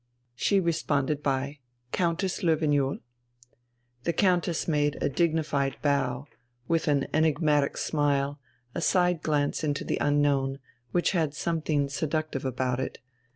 She responded by: "Countess Löwenjoul." The Countess made a dignified bow with an enigmatic smile, a side glance into the unknown, which had something seductive about it.